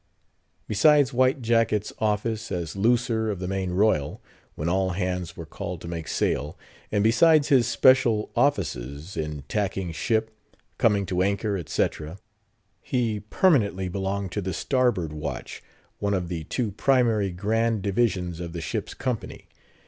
Besides White Jacket's office as looser of the main royal, when all hands were called to make sail; and besides his special offices, in tacking ship, coming to anchor, etc.; he permanently belonged to the Starboard Watch, one of the two primary, grand divisions of the ship's company.